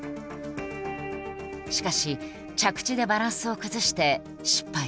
しかし着地でバランスを崩して失敗。